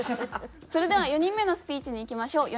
それでは４人目のスピーチにいきましょう。